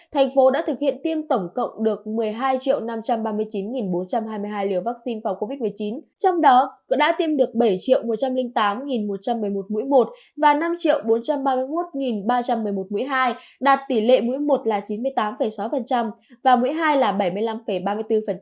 thành phố đã thực hiện tiêm tổng cộng được một mươi hai năm trăm ba mươi chín bốn trăm hai mươi hai liều vaccine phòng covid một mươi chín trong đó đã tiêm được bảy một trăm linh tám một trăm một mươi một mũi một và năm bốn trăm ba mươi một ba trăm một mươi một mũi hai đạt tỷ lệ mũi một là chín mươi tám sáu và mũi hai là bảy mươi năm ba mươi bốn